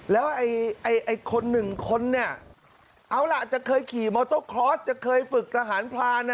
แล้วไอ้คนหนึ่งคนเนี่ยเอาล่ะจะเคยขี่มอเตอร์คลอสจะเคยฝึกทหารพราน